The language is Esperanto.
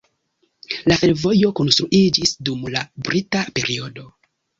La fervojo konstruiĝis dum la brita periodo.